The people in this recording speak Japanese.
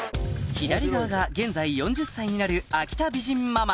左側が現在４０歳になる秋田美人ママ